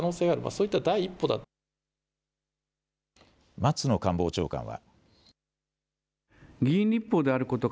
松野官房長官は。